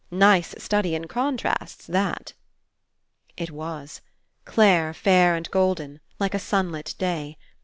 Nice study in contrasts, that." It was. Clare fair and golden, like a sunlit day.